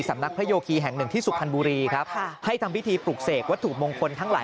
สำนักพระโยคีแห่งหนึ่งที่สุพรรณบุรีครับค่ะให้ทำพิธีปลุกเสกวัตถุมงคลทั้งหลาย